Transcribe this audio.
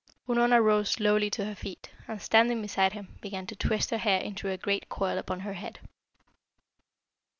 Unorna rose slowly to her feet, and standing beside him, began to twist her hair into a great coil upon her head.